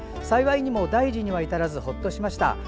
幸いにも大事には至らずほっとしました。